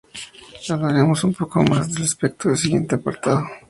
Hablaremos un poco más al respecto en el siguiente apartado.